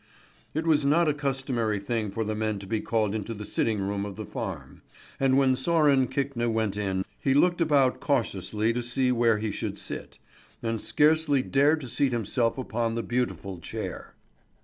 It was not a customary thing for the men to be called into the sitting room of the farm; and when Sören Kvikne went in, he looked about cautiously to see where he should spit, and scarcely dared to seat himself upon the beautiful chair.